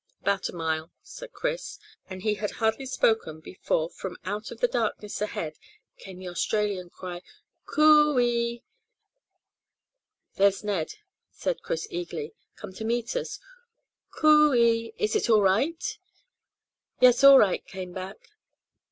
"About a mile," said Chris, and he had hardly spoken before from out of the darkness ahead came the Australian cry Coo ee! "There's Ned," said Chris eagerly. "Come to meet us. Coo ee! Is it all right?" "Yes, all right," came back.